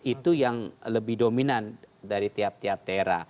itu yang lebih dominan dari tiap tiap daerah